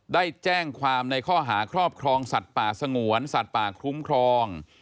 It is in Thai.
ได้แจ้งความในข้อหาครอบครองสัตว์ป่าสงวนสัตว์ป่าคุ้มครอง